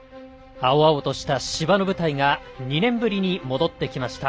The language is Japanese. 青々とした芝の舞台が２年ぶりに戻ってきました。